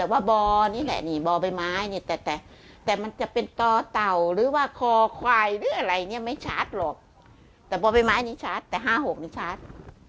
ว่าบ่อนี่แหละนี่บ่อใบไม้เนี่ยแต่มันจะเป็นต่อเต่าหรือว่าคอควายหรืออะไรเนี่ยไม่ชัดหรอกแต่บ่อใบไม้นี้ชัดแต่๕๖นี่ชัด